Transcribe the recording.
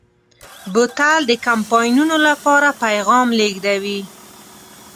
بوتل د کمپاینونو لپاره پیغام لېږدوي.